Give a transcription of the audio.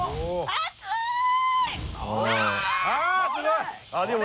熱い！